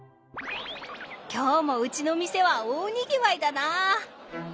今日もうちの店は大賑わいだな。